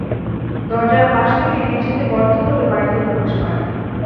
দরজার পাশ থেকে মেঝেতে গর্ত করে বাড়িতে প্রবেশ করে।